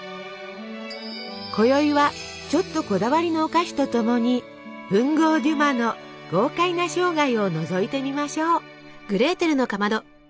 こよいはちょっとこだわりのお菓子とともに文豪デュマの豪快な生涯をのぞいてみましょう！